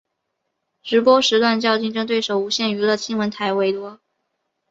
直播时段较竞争对手无线娱乐新闻台为多。